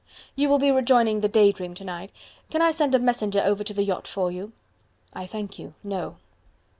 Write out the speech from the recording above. "You will be rejoining the 'Day Dream' to night. Can I send a messenger over to the yacht for you?" "I thank you. No."